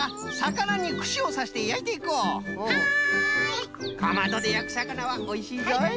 かまどでやくさかなはおいしいぞい！